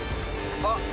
あっ！